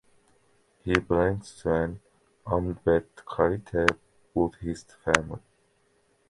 He belongs to an Ambedkarite Buddhist family.